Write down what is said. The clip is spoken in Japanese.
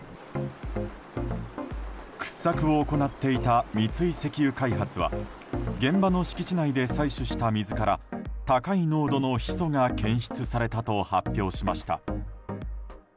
掘削を行っていた三井石油開発は現場の敷地内で採取した水から高い濃度のヒ素が検出されたと発表しました。